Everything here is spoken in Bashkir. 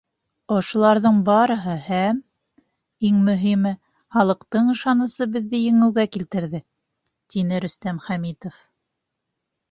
Ошоларҙың барыһы һәм, иң мөһиме, халыҡтың ышанысы беҙҙе еңеүгә килтерҙе, — тине Рөстәм Хәмитов.